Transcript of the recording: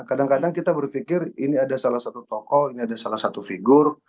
kadang kadang kita berpikir ini ada salah satu tokoh ini ada salah satu figur